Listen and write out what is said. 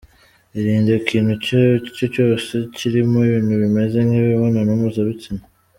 Irinde ikintu icyo aricyo cyose ikirimo ibintu bimeze nk’imibonano mpuzabitsina:.